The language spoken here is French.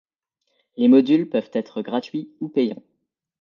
Les modules peuvent être gratuits ou payants.